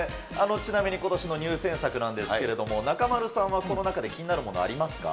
ちなみにことしの入選作なんですけれども、中丸さんはこの中で気になるものありますか？